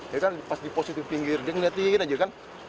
dia kan pas di posisi pinggir dia ngeliatin aja kan